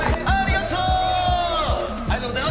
ありがとう！